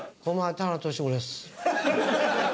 田原俊彦です。